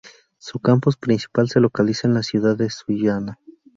Su campus principal se localiza en la ciudad de Sullana.